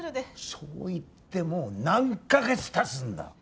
そう言ってもう何か月たつんだ！